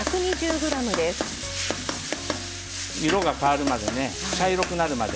色が変わるまでね茶色くなるまで。